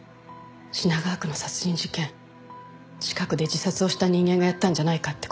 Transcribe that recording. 品川区の殺人事件近くで自殺をした人間がやったんじゃないかって。